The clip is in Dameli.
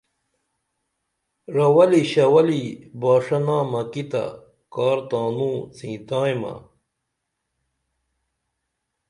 رولی ݜولی باݜہ نامہ کی تہ کار تانوں څیںتائیمہ